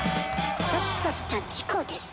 「ちょっとした事故です」？